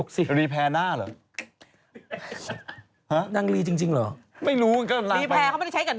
กระหูมั้ง